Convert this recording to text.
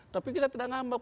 tapi kita tidak ngambek